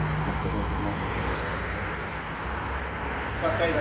একপর্যায়ে পুলিশ তাঁকে ধাক্কাতে ধাক্কাতে হোসেন মার্কেটের সামনের সড়কে নিয়ে লাঠিপেটা করে।